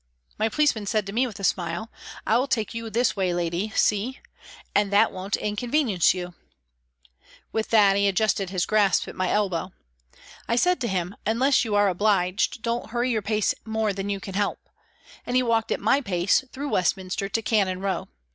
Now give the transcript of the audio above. My policeman said to me with a smile, " I'll take you this way, lady, see ? And that won't inconvenience you." With that he adjusted his grasp at my elbow. I said to him :" Unless you are obliged, don't hurry your pace more than you can help," and he walked at my pace through Westminster to Cannon Row.